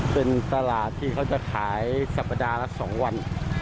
เป็นตลาดที่เขาจะขายสัปดาห์ละ๒วัน